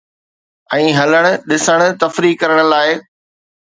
۽ هلڻ، ڏسڻ، تفريح ڪرڻ لاءِ